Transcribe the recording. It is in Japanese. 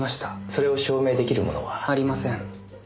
それを証明出来るものは？ありません。